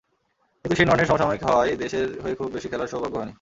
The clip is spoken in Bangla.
কিন্তু শেন ওয়ার্নের সমসাময়িক হওয়ায় দেশের হয়ে খুব বেশি খেলার সৌভাগ্য হয়নি।